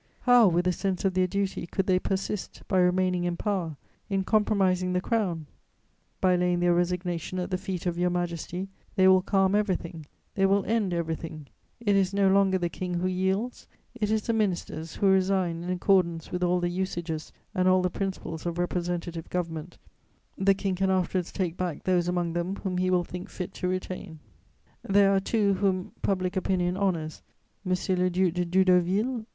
How, with a sense of their duty, could they persist, by remaining in power, in compromising the Crown? By laying their resignation at the feet of your Majesty they will calm everything, they will end everything; it is no longer the King who yields, it is the ministers who resign in accordance with all the usages and all the principles of representative government The King can afterwards take back those among them whom he will think fit to retain: there are two whom public opinion honours, M. le Duc de Doudeauville and M.